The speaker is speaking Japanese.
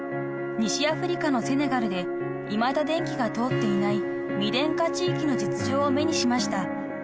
［西アフリカのセネガルでいまだ電気が通っていない未電化地域の実情を目にしました］